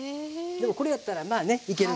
でもこれやったらまあねいけるので。